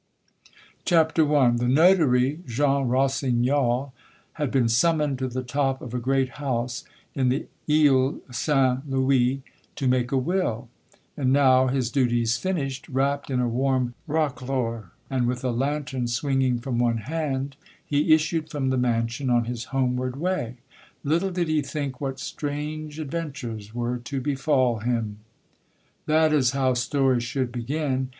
CHAPTER I The notary, Jean Rossignol, had been summoned to the top of a great house in the Isle St. Louis to make a will; and now, his duties finished, wrapped in a warm roquelaure and with a lantern swinging from one hand, he issued from the mansion on his homeward way. Little did he think what strange adventures were to befall him! That is how stories should begin.